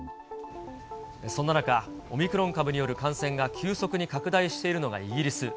そんな中、オミクロン株による感染が急速に拡大しているのがイギリス。